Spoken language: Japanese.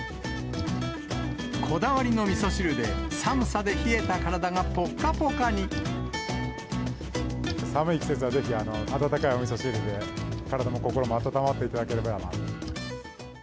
こだわりのみそ汁で寒さで冷寒い季節はぜひ、温かいおみそ汁で、体も心もあたたまっていただければなと。